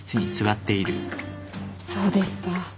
そうですか。